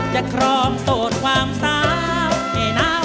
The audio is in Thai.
จะครองโสดความสาวให้น้าอดีต